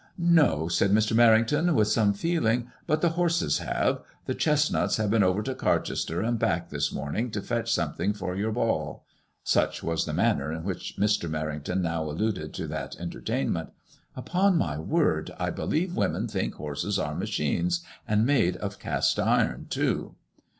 " No," said Mr. Merrington, with some feeling, '' but the horses have. The chesnuts have been over to Carchester and back this morning to fetch something for your ball" (such was the manner in which Mr. Merrington now alluded to that entertain ment). " Upon my word, I believe women think horses are machines, and made of cast iron too."